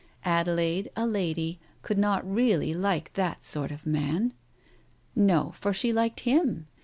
Adelaide, a lady, could not really like that sort of man ? No, for she liked him.